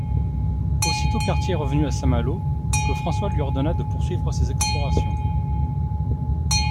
Aussitôt Cartier revenu à Saint-Malo que François lui ordonna de poursuivre ses explorations.